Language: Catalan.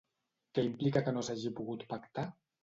Què implica que no s'hagi pogut pactar?